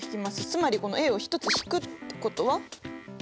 つまりこのを１つ引くってことは？